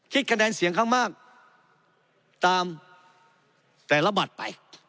คะแนนเสียงข้างมากตามแต่ละบัตรไป